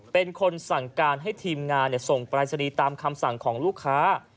เป็นคนสั่งการให้ทีมงานส่งปรายศนีย์ตามคำสั่งของลูกค้า